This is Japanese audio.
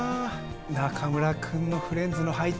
中村くんのフレンズの配置